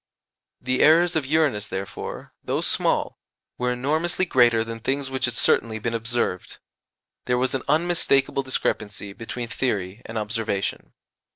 The errors of Uranus therefore, though small, were enormously greater than things which had certainly been observed; there was an unmistakable discrepancy between theory and observation.